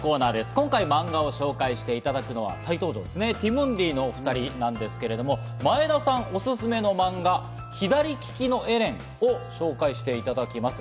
今回、マンガをご紹介していただくのは、ティモンディのお２人ですけれども、前田さんおすすめのマンガ、『左ききのエレン』をご紹介していただきます。